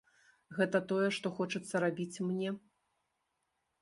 Гэта тое, што хочацца рабіць мне.